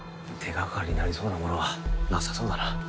手掛かりになりそうなものはなさそうだな。